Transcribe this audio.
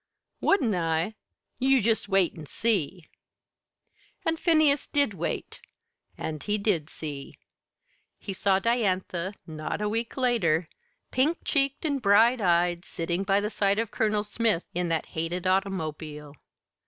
"Wouldn't I? You jest wait an' see!" And Phineas did wait and he did see. He saw Diantha, not a week later, pink cheeked and bright eyed, sitting by the side of Colonel Smith in that hated automobile.